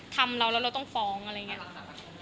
ทำเราแล้วเราต้องฟ้องอะไรอย่างนี้หรอ